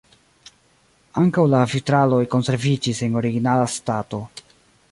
Ankaŭ la vitraloj konserviĝis en originala stato.